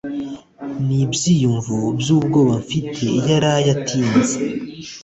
nibyiyumvo byubwoba mfite iyo araye atinze